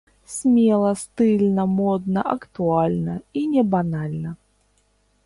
Смела, стыльна, модна, актуальна і не банальна!